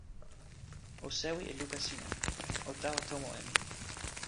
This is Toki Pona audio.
o sewi e luka sina. o tawa tomo e mi.